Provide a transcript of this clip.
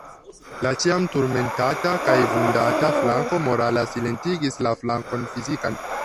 La ĉiam turmentata kaj vundata flanko morala silentigis la flankon fizikan.